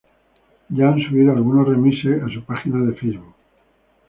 Ya han subido algunos remixes a su página de Facebook.